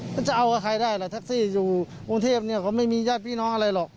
มันจะเอากับใครได้ล่ะแท็กซี่อยู่กรุงเทพเนี่ยเขาไม่มีญาติพี่น้องอะไรหรอก